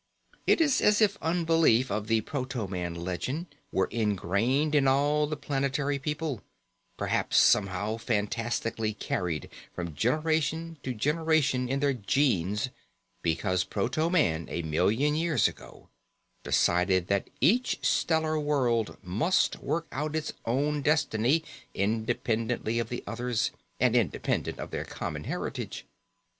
It is as if unbelief of the proto man legend were ingrained in all the planetary people, perhaps somehow fantastically carried from generation to generation in their genes because proto man a million years ago decided that each stellar world must work out its own destiny independently of the others and independent of their common heritage.